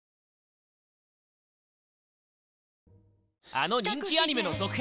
あの人気アニメの続編